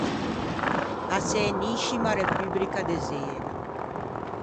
A Sëniscima Repubrica de Zena.